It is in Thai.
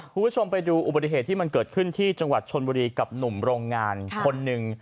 คุณผู้ชมไปดูอุบัติเหตุที่มันเกิดขึ้นที่จังหวัดชนบุรีกับหนุ่มโรงงานคนหนึ่ง